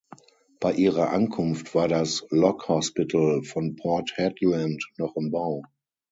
Bei ihrer Ankunft war das "Lock Hospital" von Port Hedland noch im Bau.